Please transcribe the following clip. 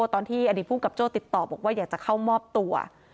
ตอนที่อดีตภูมิกับโจ้ติดต่อบอกว่าอยากจะเข้ามอบตัว